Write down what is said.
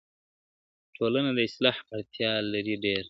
ټولنه د اصلاح اړتيا لري ډېر,